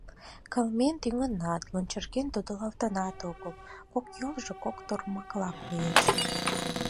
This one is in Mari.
Кылмен тӱҥынат, лунчырген тодылалтынат огыл, кок йолжо кок тормакла коеш...